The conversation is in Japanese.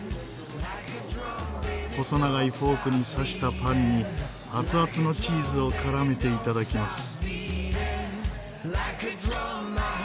細長いフォークに刺したパンに熱々のチーズを絡めて頂きます。